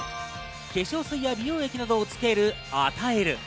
化粧水や美容液などをつける与える。